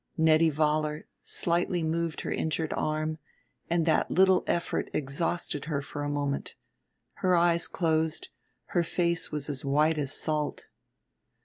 Nettie Vollar slightly moved her injured arm, and that little effort exhausted her for a moment; her eyes closed, her face was as white as salt.